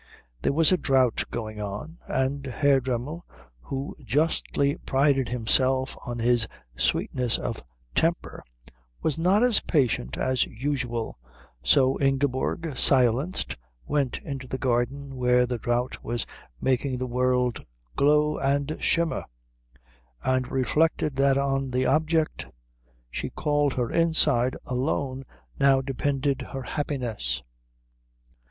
There was a drought going on, and Herr Dremmel, who justly prided himself on his sweetness of temper, was not as patient as usual; so Ingeborg, silenced, went into the garden where the drought was making the world glow and shimmer, and reflected that on the object she called her inside alone now depended her happiness.